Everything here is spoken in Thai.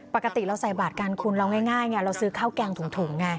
ปกติเราใส่บาทกันคุณเราง่ายไงเราซื้อข้าวแกงถุงไง